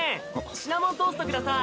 シナモントースト下さい。